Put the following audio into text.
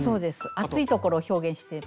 あついところを表現してて。